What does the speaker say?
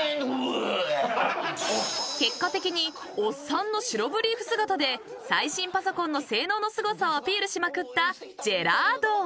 ［結果的におっさんの白ブリーフ姿で最新パソコンの性能のすごさをアピールしまくったジェラードン］